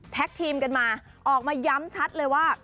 ทีมกันมาออกมาย้ำชัดเลยว่า